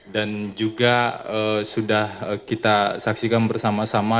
dan juga sudah kita saksikan bersama sama